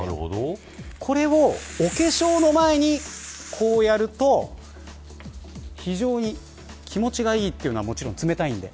これをお化粧の前にこうやると非常に気持ちがいいというのはもちろん冷たいので。